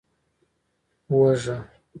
🧄 اوږه